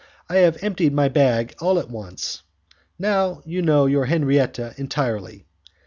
I have emptied my bag all at once. Now you know your Henriette entirely.